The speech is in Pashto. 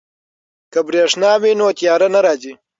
که بریښنا وي نو تیاره نه راځي.